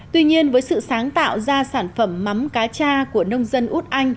tuy nhiên với sự sáng tạo ra sản phẩm mắm cá cha của nông dân út anh